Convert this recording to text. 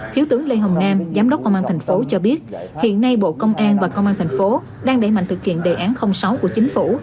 thiếu tướng lê hồng nam giám đốc công an thành phố cho biết hiện nay bộ công an và công an thành phố đang đẩy mạnh thực hiện đề án sáu của chính phủ